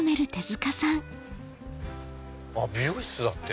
あっ美容室だって。